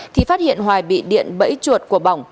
thì phát hiện hoài bị điện bẫy chuột của bỏng